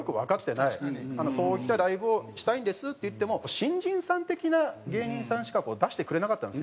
そういったライブをしたいんですって言っても新人さん的な芸人さんしか出してくれなかったんですよね。